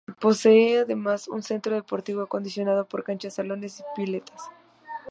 Posee además un centro deportivo acondicionado con canchas, salones y piletas.